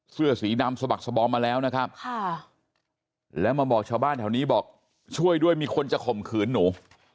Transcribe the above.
เสื้อสีดำสะบักสบอมมาแล้วนะครับแล้วมาบอกชาวบ้านแถวนี้บอกช่วยด้วยมีคนจะข่มขืนหนู